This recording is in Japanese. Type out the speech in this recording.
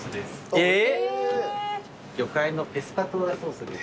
えっ？魚介のペスカトーラソースです。